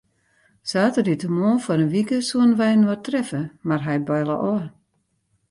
Saterdeitemoarn foar in wike soene wy inoar treffe, mar hy belle ôf.